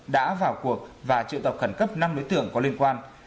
đã vào cuộc và triệu tập khẩn cấp năm đối tượng có liên quan